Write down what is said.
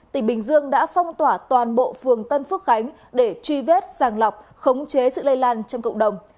tỉnh bình dương đã phong tỏa toàn bộ phường tân phước khánh để truy vết sàng lọc khống chế sự lây lan trong cộng đồng